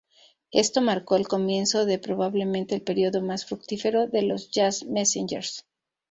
Esto marcó el comienzo de probablemente el período más fructífero de los Jazz Messengers.